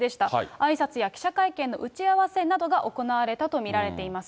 あいさつや記者会見の打ち合わせなどが行われたと見られています。